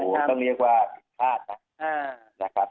ต้องเรียกว่าผิดพลาดนะนะครับ